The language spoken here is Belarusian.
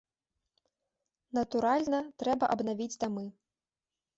Натуральна, трэба абнавіць дамы.